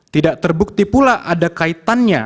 tidak terbukti pula ada kaitannya